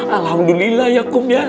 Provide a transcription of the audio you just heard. alhamdulillah ya kum ya